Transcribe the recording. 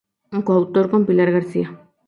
Co-autor con Pilar García.